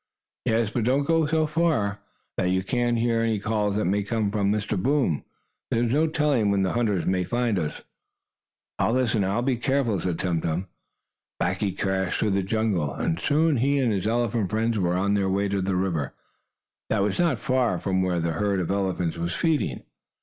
"Yes, but don't go so far, that you can't hear any calls that may come from Mr. Boom. There's no telling when the hunters may find us." "I'll listen, and be careful," said Tum Tum. Back he crashed through the jungle, and soon he and his elephant friends were on their way to the river, that was not far from where the herd of elephants was feeding.